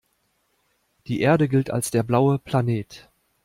Die Erde gilt als der „blaue Planet“.